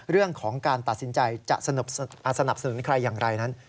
เรื่องของการตัดสินใจจะสนับสนุนใครอย่างไรนั้น